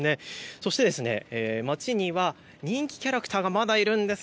そして街には人気キャラクターがまだいるんです。